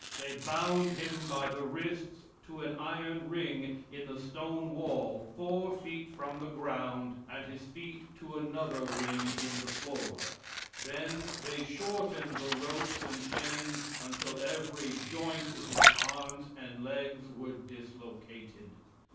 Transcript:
They bound him by the wrists to an iron ring in the stone wall four feet from the ground and his feet to another ring in the floor. Then they shortened the ropes and chains until every joint in his arms and legs were dislocated.